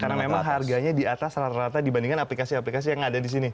karena memang harganya di atas rata rata dibandingkan aplikasi aplikasi yang ada di sini